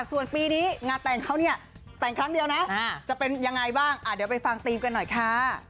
ส่วนปีนี้งานแต่งเขาเนี่ยแต่งครั้งเดียวนะจะเป็นยังไงบ้างเดี๋ยวไปฟังธีมกันหน่อยค่ะ